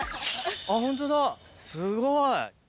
あっホントだすごい！